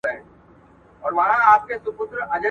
تاسو په خپلو کارونو کي بريالي سوي واست.